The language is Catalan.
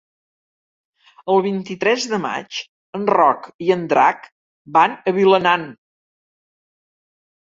El vint-i-tres de maig en Roc i en Drac van a Vilanant.